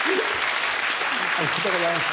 ありがとうございます。